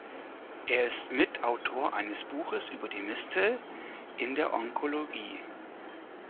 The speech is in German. Er ist Mitautor eines Buches über die Mistel in der Onkologie.